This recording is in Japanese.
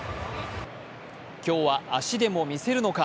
今日は足でもみせるのか？